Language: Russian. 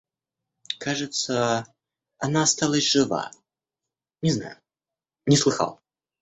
Кажется, она осталась жива, — не знаю, не слыхал.